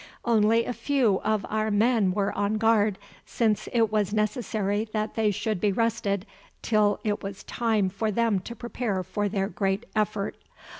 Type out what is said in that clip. Only a few of our men were on guard, since it was necessary that they should be rested till it was time for them to prepare for their great effort.